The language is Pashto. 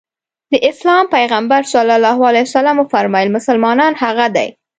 د اسلام پيغمبر ص وفرمايل مسلمان هغه دی.